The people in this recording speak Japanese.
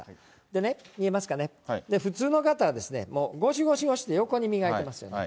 でね、見えますかね、普通の方はですね、もうごしごしごしって横に磨いてますよね。